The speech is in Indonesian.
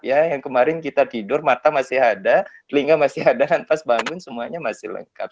ya yang kemarin kita tidur mata masih ada telinga masih ada lantas bangun semuanya masih lengkap